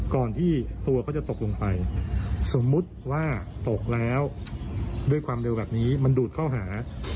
ก่อนที่ตัวเขาจะตกลงไปสมมุติว่าตกแล้วด้วยความเร็วแบบนี้มันดูดเข้าหา